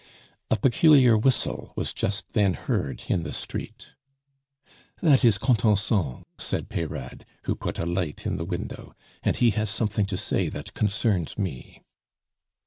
A peculiar whistle was just then heard in the street. "That is Contenson," said Peyrade, who put a light in the window, "and he has something to say that concerns me."